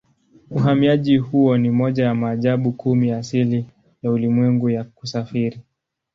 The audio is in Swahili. Uhamiaji huo ni moja ya maajabu kumi ya asili ya ulimwengu ya kusafiri.